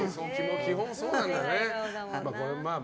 基本そうなんだね。